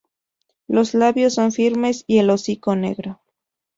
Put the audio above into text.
Los labios son firmes y el hocico negro.